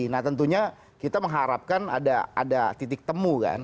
nah tentunya kita mengharapkan ada titik temu kan